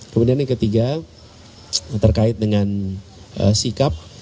kemudian yang ketiga terkait dengan sikap